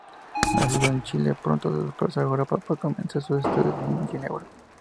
Nacido en Chile, pronto se desplazó a Europa para comenzar sus estudios en Ginebra.